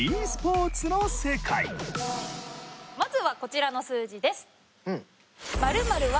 まずはこちらの数字です。